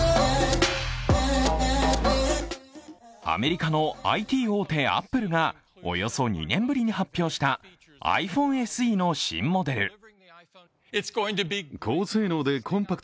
アメリカのＩＴ大手、アップルがおよそ２年ぶりに発表したｉＰｈｏｎｅＳＥの新モデル。